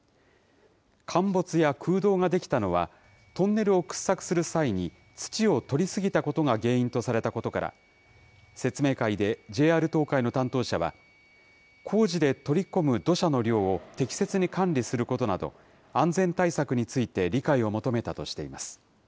陥没や空洞が出来たのは、トンネルを掘削する際に土を取り過ぎたことが原因とされたことから、説明会でＪＲ東海の担当者は、工事で取り込む土砂の量を適切に管理することなど、安全対策について理解を求めたとしています。